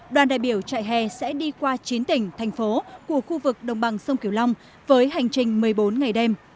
đoàn đại biểu trại hè sẽ đi qua chín tỉnh thành phố của khu vực đồng bằng sông kiều long với hành trình một mươi bốn ngày đêm